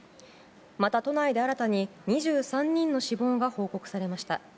また都内で新たに、２３人の死亡が報告されました。